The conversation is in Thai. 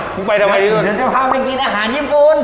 มึงไปทำไมด้วยเดี๋ยวจะพาไปกินอาหารญี่ปุ่น